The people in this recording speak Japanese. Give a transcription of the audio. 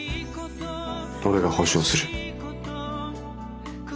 俺が保証する。